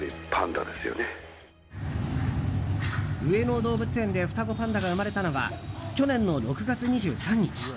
上野動物園で双子パンダが生まれたのは去年の６月２３日。